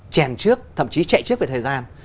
trèn trước thậm chí chạy trước về thời gian